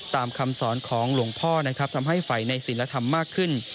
คำสอนของหลวงพ่อนะครับทำให้ฝ่ายในศิลธรรมมากขึ้น